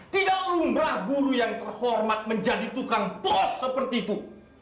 tidak lumrah guru yang terhormat menjadi tukang pos seperti itu